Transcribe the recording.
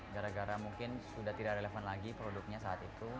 gara gara mungkin sudah tidak relevan lagi produknya saat itu